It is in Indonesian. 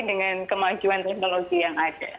dengan kemajuan teknologi yang ada